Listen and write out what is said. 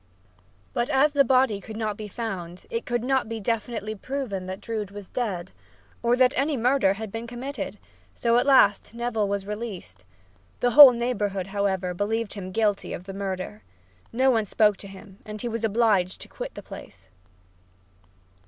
But as the body could not be found, it could not be definitely proven that Drood was dead, or that any murder had been committed, so at last Neville was released. The whole neighborhood, however, believed him guilty of the murder. No one spoke to him and he was obliged to quit the place.